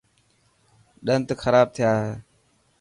ڏنت کراب ٿيا هي.